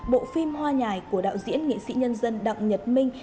bộ phim hoa nhài của đạo diễn nghệ sĩ nhân dân đặng nhật minh